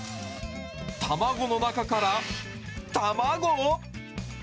卵の中から卵？